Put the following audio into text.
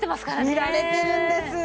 見られてるんです。